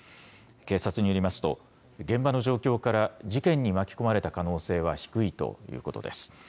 警察によりますと、現場の状況から事件に巻き込まれた可能性は低いということです。